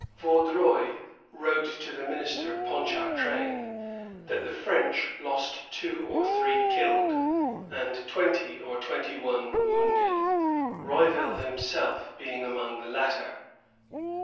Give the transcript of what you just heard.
Vaudreuil wrote to the minister, Ponchartrain, that the French lost two or three killed, and twenty or twenty one wounded, Rouville himself being among the latter.